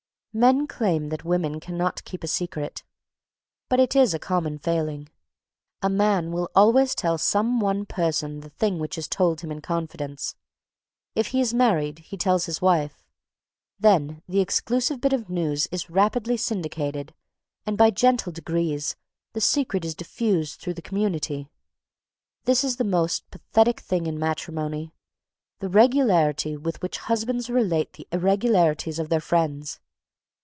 Men claim that women cannot keep a secret, but it is a common failing. A man will always tell some one person the thing which is told him in confidence. If he is married, he tells his wife. Then the exclusive bit of news is rapidly syndicated, and by gentle degrees, the secret is diffused through the community. This is the most pathetic thing in matrimony the regularity with which husbands relate the irregularities of their friends.